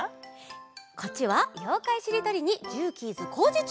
こっちは「ようかいしりとり」に「ジューキーズこうじちゅう！」。